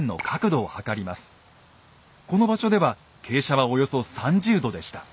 この場所では傾斜はおよそ３０度でした。